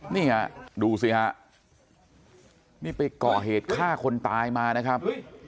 นี่ฮะดูสิฮะนี่ไปก่อเหตุฆ่าคนตายมานะครับ